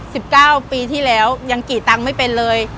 สิบเก้าปีที่แล้วยังกี่ตังค์ไม่เป็นเลย